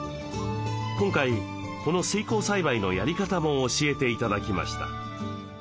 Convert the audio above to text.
今回この水耕栽培のやり方も教えて頂きました。